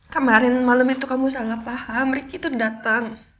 kemarin malem itu kamu salah paham riki tuh dateng